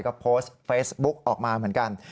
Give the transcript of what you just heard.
ก็โพสต์เฟซบุ๊กออกมาเหมือนกัน